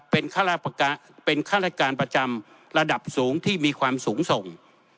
เป็นข้าราชการประจำระดับสูงที่มีความสูงส่ง